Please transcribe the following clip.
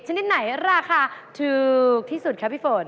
ชนิดไหนราคาถูกที่สุดคะพี่ฝน